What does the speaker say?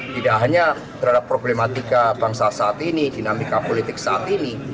tidak hanya terhadap problematika bangsa saat ini dinamika politik saat ini